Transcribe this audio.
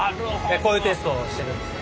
こういうテストをしてるんですね。